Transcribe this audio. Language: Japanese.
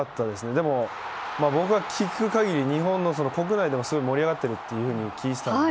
でも、僕が聞く限り国内でもすごく盛り上がっていると聞いていたので。